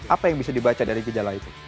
apa yang bisa dibaca dari gejala itu